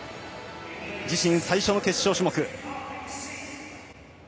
自身最初の決勝種目。